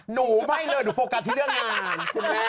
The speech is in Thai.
หนูไม่เลยหนูโฟกัสที่เรื่องงานคุณแม่